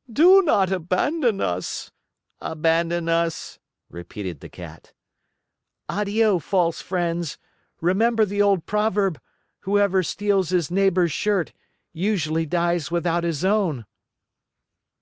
'" "Do not abandon us." "Abandon us," repeated the Cat. "Addio, false friends. Remember the old proverb: 'Whoever steals his neighbor's shirt, usually dies without his own.